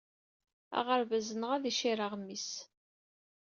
Aɣerbaz-nneɣ ad d-icir aɣmis.